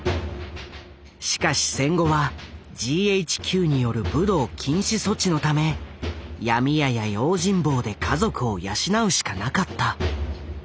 しかし戦後はＧＨＱによる武道禁止措置のため闇屋や用心棒で家族を養うしかなかった。